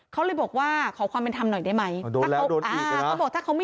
เขาเลยบอกว่าขอความเป็นธรรมหน่อยได้ไหม